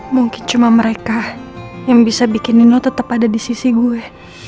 mungkin cuma mereka yang bisa bikinin lo tetap ada di sisi gue